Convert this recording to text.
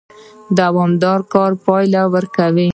دوامدار کار پایله ورکوي